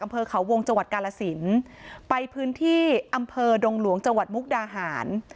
อำเภอเขาวงจังหวัดกาลสินไปพื้นที่อำเภอดงหลวงจังหวัดมุกดาหาร